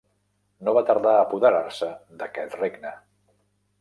No va tardar a apoderar-se d'aquest regne.